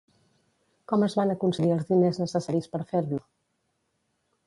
Com es van aconseguir els diners necessaris per fer-lo?